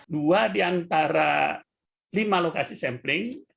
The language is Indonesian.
dua di antara lima lokasi sampling